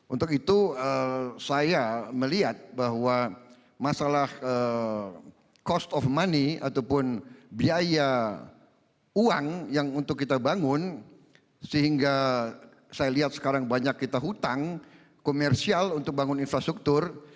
untuk itu saya melihat bahwa masalah cost of money ataupun biaya uang yang untuk kita bangun sehingga saya lihat sekarang banyak kita hutang komersial untuk bangun infrastruktur